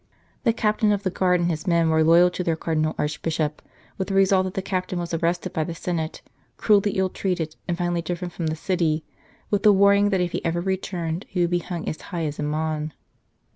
The Captain of the Guard and his men were loyal to their Cardinal Archbishop, with the result that the Captain^was arrested by the Senate, cruelly ill treated, and finally driven from the city, with the warning that if he ever returned he would be hung as high as Aman.